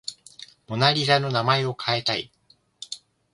モナ・リザの名前を変えたい